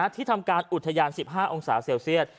ที่ทำการอุทยาน๑๕องศาเซลเซียต